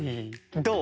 どう？